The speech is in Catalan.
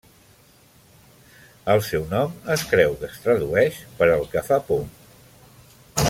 El seu nom, es creu que es tradueix per 'el que fa por'.